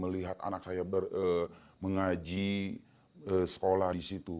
melihat anak saya mengaji sekolah di situ